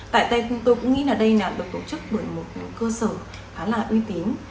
tại đây tôi cũng nghĩ là đây được tổ chức bởi một cơ sở khá là uy tín